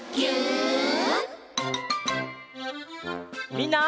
みんな。